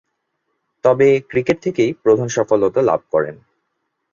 তবে, ক্রিকেট থেকেই প্রধান সফলতা লাভ করেন।